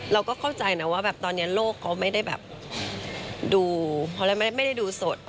เราก็เข้าใจนะว่าตอนนี้โลกเขาไม่ได้ดูสด